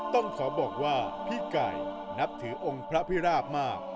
ต้องขอบอกว่าพี่ไก่นับถือองค์พระพิราบมาก